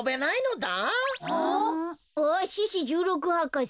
あ獅子じゅうろく博士。